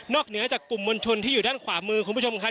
เหนือจากกลุ่มมวลชนที่อยู่ด้านขวามือคุณผู้ชมครับ